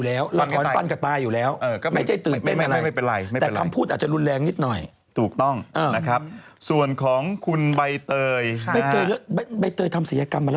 แล้วก็ตายอยู่แล้วเราถอนฟันก็ตายอยู่แล้ว